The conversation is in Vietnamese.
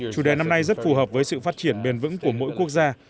chủ đề năm nay rất phù hợp với sự phát triển bền vững của mỗi quốc gia